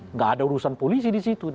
nggak ada urusan polisi di situ